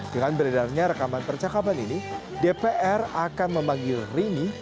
dengan beredarnya rekaman percakapan ini dpr akan memanggil rini